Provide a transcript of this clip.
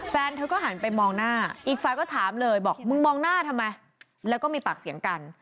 แฟนเธอก็หันไปมองหน้าอีกฝ่ายก็ถามเลยบอกมึงมองหน้าทำไมแล้วก็มีปากเสียงกัน